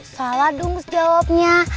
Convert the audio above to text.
salah dong jawabnya